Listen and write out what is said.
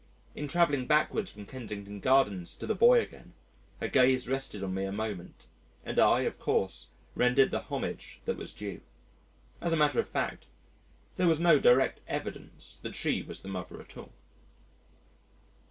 In travelling backwards from Kensington Gardens to the boy again, her gaze rested on me a moment and I, of course, rendered the homage that was due. As a matter of fact there was no direct evidence that she was the mother at all.